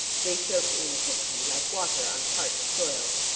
They soaked in quickly like water on a parched soil.